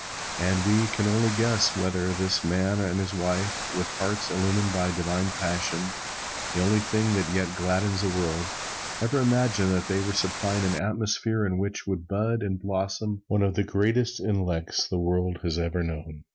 And we can only guess whether this man and his wife with hearts illumined by divine passion, the only thing that yet gladdens the world, ever imagined that they were supplying an atmosphere in which would bud and blossom one of the greatest intellects the world has ever known.